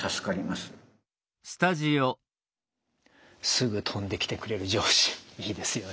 すぐ飛んできてくれる上司いいですよね。